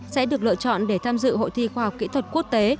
sẽ được lựa chọn để tham dự hội thi khoa học kỹ thuật quốc tế